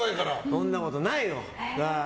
そんなことないよ。